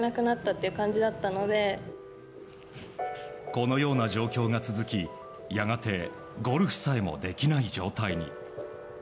このような状況が続き、やがてゴルフさえもできない状態に。